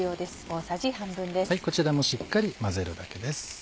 こちらもしっかり混ぜるだけです。